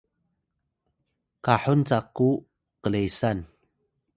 kahun caku Klesan